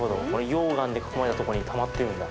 溶岩で囲まれたところにたまってるんだ。